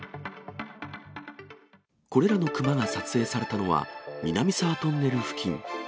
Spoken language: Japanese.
これらの熊が撮影されたのは、南沢トンネル付近。